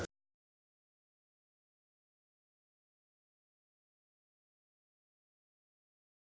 untuk meng publicity khususnya